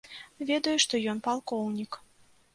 Ведаю, што ён палкоўнік.